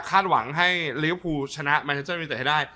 คาดหวังให้ลิฟท์ภูลชนะแมนยูชนะให้ได้